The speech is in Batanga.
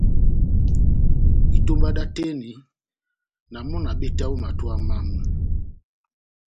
Itómba dá oteni, na mɔ́ na betaha ó matowa mámu.